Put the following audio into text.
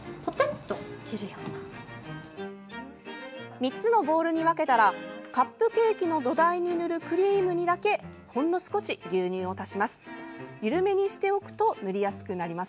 ３つのボウルに分けたらカップケーキの土台に塗るクリームにだけほんの少し牛乳を足します。